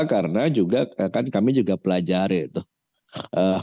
karena juga kan kami juga pelajari tuh